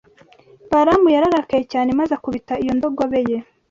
Balamu yararakaye cyane maze akubita iyo ndogobe ye